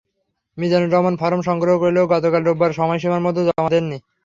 Mizanur Rahman form সংগ্রহ করলেও গতকাল রোববার সময়সীমার মধ্যে জমা দেননি।